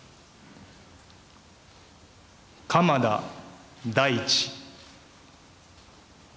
鎌田大地。